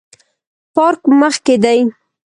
پارک مخ کې دی